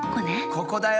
ここだよ！